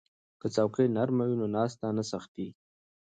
که څوکۍ نرمه وي نو ناسته نه سختیږي.